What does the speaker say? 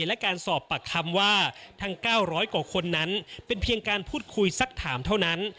และการสอบปากคำว่าทั้ง๙๐๐กว่าคนนั้นเป็นเพียงการพูดคุยสักถามเท่านั้น